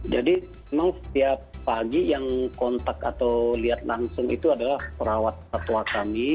jadi memang setiap pagi yang kontak atau lihat langsung itu adalah perawat tatwa kami